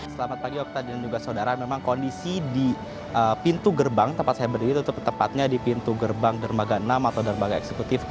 selamat pagi okta dan juga saudara memang kondisi di pintu gerbang tempat saya berdiri tepatnya di pintu gerbang dermaga enam atau dermaga eksekutif